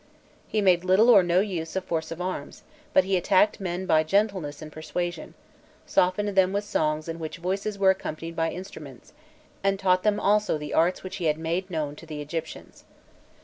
He made little or no use of force and arms, but he attacked men by gentleness and persuasion, softened them with songs in which voices were accompanied by instruments, and taught them also the arts which he had made known to the Egyptians.